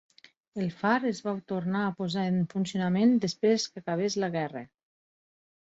El far es va tornar a posar en funcionament després que acabés la guerra.